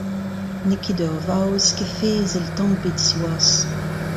N'eo ket ur vaouez kefaezel tamm ebet siwazh.